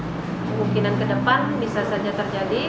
kemungkinan ke depan bisa saja terjadi